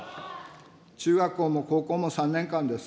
中学校も高校も３年間です。